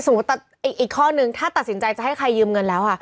แต่อีกข้อนึงถ้าตัดสินใจจะให้ใครยืมเงินแล้ว